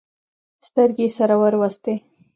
سترګې يې سره ور وستې.